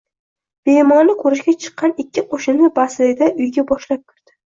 Bemorni ko‘rishga chiqqan ikki qo‘shnini Basida uyga boshlab kirdi